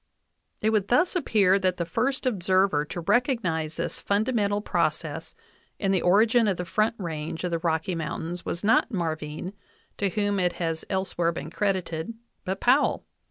It would thus appear that the first observer to recognize this fundamental process in the origin of the Front Range of the Rocky Mountains was not Marvine, to whom it has elsewhere been credited, but Powell.